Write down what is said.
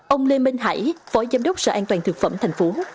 ông lê minh hải phó giám đốc sở an toàn thực phẩm thành phố